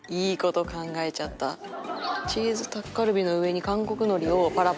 チーズタッカルビの上に韓国のりをパラパラにして。